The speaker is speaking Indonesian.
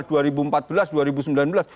itu debat debat yang berbeda